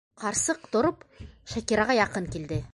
- Ҡарсыҡ, тороп, Шакираға яҡын килде.